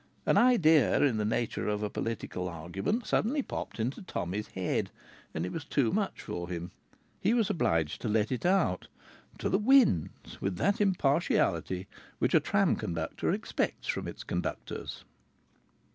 An idea in the nature of a political argument suddenly popped into Tommy's head, and it was too much for him. He was obliged to let it out. To the winds with that impartiality which a tram company expects from its conductors!